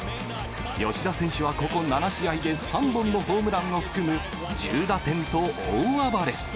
吉田選手は、ここ７試合で３本のホームランを含む１０打点と大暴れ。